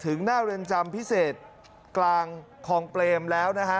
หน้าเรือนจำพิเศษกลางคลองเปรมแล้วนะฮะ